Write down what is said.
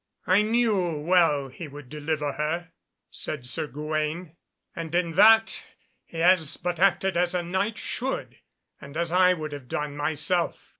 "I knew well he would deliver her," said Sir Gawaine, "and in that, he has but acted as a Knight should and as I would have done myself.